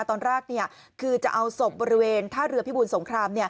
ตอนแรกคือจะเอาศพบริเวณท่าเรือพิบูรสงคราม